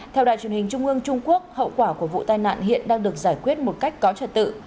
theo đài truyền hình trung ương trung quốc hậu quả của vụ tai nạn hiện đang được giải quyết một cách có trật tự